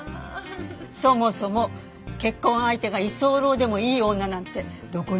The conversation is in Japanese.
そもそも結婚相手が居候でもいい女なんてどこにもいないから。